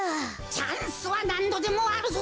チャンスはなんどでもあるぞ。